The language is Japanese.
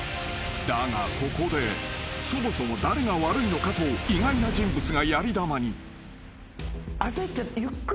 だがここでそもそも誰が悪いのかと意外な人物がやり玉に］